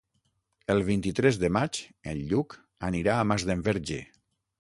El vint-i-tres de maig en Lluc anirà a Masdenverge.